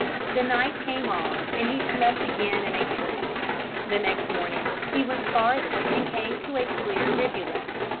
The night came on and he slept again in a tree. The next morning he went farther and came to a clear rivulet.